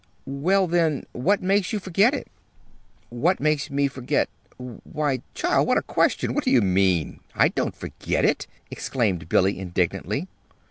"Well, then, what makes you forget it?" "What makes me forget Why, child, what a question! What do you mean? I don't forget it!" exclaimed Billy, indignantly.